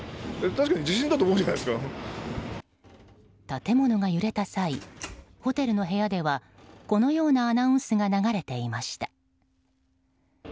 建物が揺れた際ホテルの部屋ではこのようなアナウンスが流れていました。